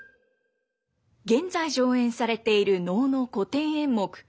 現在上演されている能の古典演目